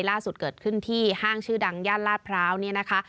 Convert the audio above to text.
ล่าสุดเกิดขึ้นที่ห้างชื่อดังย่านลาดพร้าวเนี่ยนะคะ